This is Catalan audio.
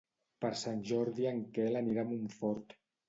Per Sant Jordi en Quel anirà a Montfort.